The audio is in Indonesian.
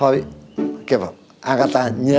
oke pak angkat tangan nyerah